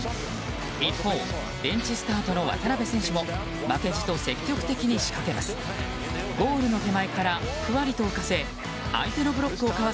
一方、ベンチスタートの渡邊選手も負けじと積極的に仕掛けます。